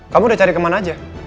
kamu udah cari ke mana aja